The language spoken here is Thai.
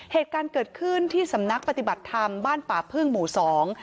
เหตุการณ์เกิดขึ้นที่สำนักปฏิบัติธรรมบ้านป่าพึ่งหมู่สอง